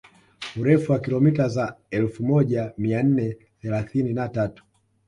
Urefu wa kilomita za elfu moja mia nne thelathini na tatu